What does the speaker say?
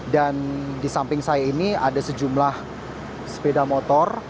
dan di samping saya ini ada sejumlah sepeda motor